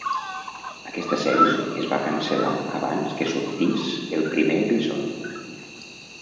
Aquesta sèrie es va cancel·lar abans que sortís el primer episodi.